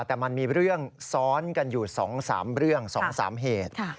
แต่มันมีเรื่องซ้อนกันอยู่๒๓เรื่อง๒๓เหตุ